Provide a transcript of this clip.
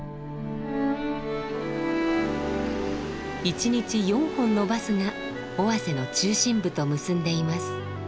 一日４本のバスが尾鷲の中心部と結んでいます。